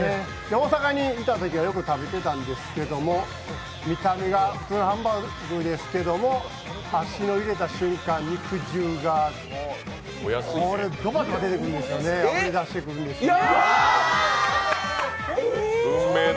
大阪にいたときは、よく食べてたんですけども、見た目が普通のハンバークですけれども、箸を入れた瞬間に肉汁がこれ、ドバドバあふれ出してくるんですよね。